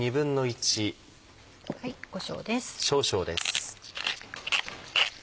こしょうです。